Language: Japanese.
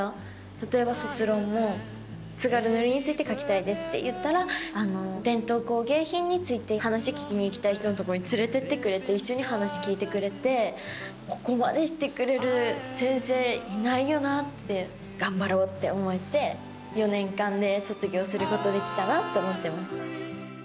例えば卒論も「津軽塗について書きたいです」って言ったら伝統工芸品について話聞きに行きたい人のとこに連れてってくれて一緒に話聞いてくれてここまでしてくれる先生いないよなって頑張ろうって思えて４年間で卒業することできたなって思ってます。